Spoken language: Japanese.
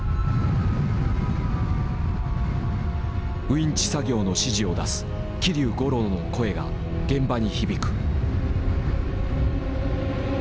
ウインチ作業の指示を出す桐生五郎の声が現場に響く。